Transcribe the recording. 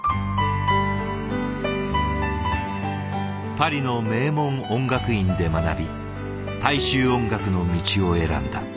パリの名門音楽院で学び大衆音楽の道を選んだ。